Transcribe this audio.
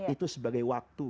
itu sebagai waktu